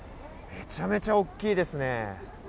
めちゃめちゃ大きいですね。